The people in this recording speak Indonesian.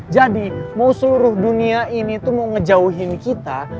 jadi mau seluruh dunia ini tuh mau ngejauhin kita